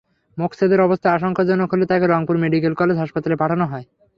মোকছেদের অবস্থা আশঙ্কাজনক হলে তাঁকে রংপুর মেডিকেল কলেজ হাসপাতালে পাঠানো হয়।